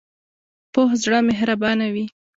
پوخ زړه مهربانه وي